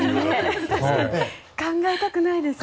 考えたくないですね。